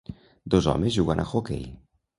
Dos homes jugant a hoquei.